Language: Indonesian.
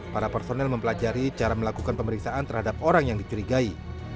para personel mempelajari cara melakukan pemeriksaan terhadap orang yang dicurigai